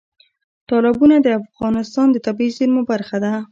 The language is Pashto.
تالابونه د افغانستان د طبیعي زیرمو برخه ده.